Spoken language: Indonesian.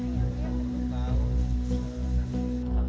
berjalan terus berjalan